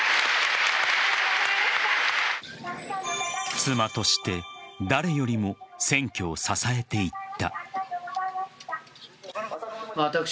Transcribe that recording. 妻として誰よりも選挙を支えていった。